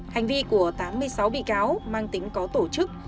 hành vi của tám mươi sáu bị cáo mang tính có tổ chức